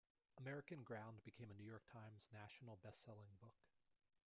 "American Ground" became a "New York Times" national bestselling book.